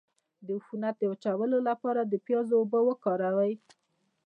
د عفونت د وچولو لپاره د پیاز اوبه وکاروئ